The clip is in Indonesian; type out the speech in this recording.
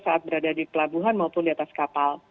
saat berada di pelabuhan maupun di atas kapal